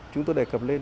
chúng tôi đề cập lên